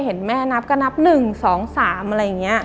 เห็นแม่นับก็นับ๑๒๓อะไรอย่างนี้